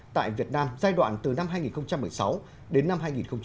tại việt nam giai đoạn từ năm hai nghìn một mươi sáu đến năm hai nghìn hai mươi